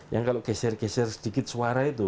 yang kalau geser geser sedikit suara itu